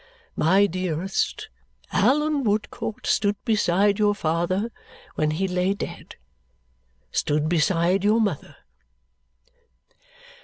My dearest, Allan Woodcourt stood beside your father when he lay dead stood beside your mother.